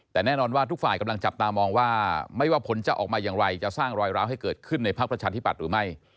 แต่แน่นอนว่าทุกฝ่ายกำลังจับตามองว่าไม่ว่าผลจะออกมาอย่างไรจะสร้างรอยร้าวให้เกิดขึ้นในพักประชาธิปัตย์หรือไม่